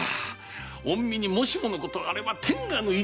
御身にもしものことがあれば天下の一大事！